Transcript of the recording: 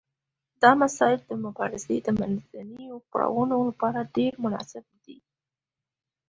دا مسایل د مبارزې د منځنیو پړاوونو لپاره ډیر مناسب دي.